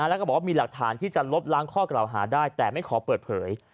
แล้วก็บอกว่ามีหลักฐานที่จะลบล้างข้อกล่าวหาได้แต่ไม่ขอเปิดเผย